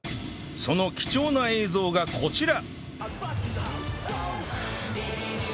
その貴重な映像がこちら！